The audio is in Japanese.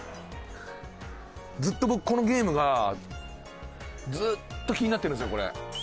ずっと僕このゲームがずーっと気になってるんですよこれ。